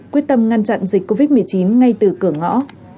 quyết tâm ngăn chặn dịch covid một mươi chín ngay từ cửa ngõ